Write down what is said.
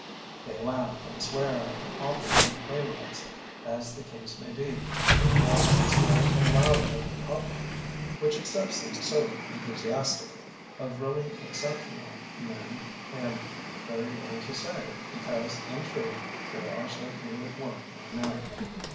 They laugh and swear at the authors and playwrights, as the case may be, but they laugh and swear even louder at the public 36 THE BOOKMAN which accepts them so enthusiastically. Of really exceptional men they have very little to say, because, in truth, there are so few at work in America.